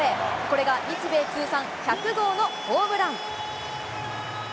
これが日米通算１００号のホームラン。